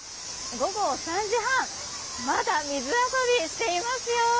午後３時半まだ水遊びしていますよ。